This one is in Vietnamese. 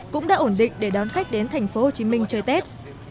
cũng đã ổn định để đón khách đến thành phố hồ chí minh chơi tết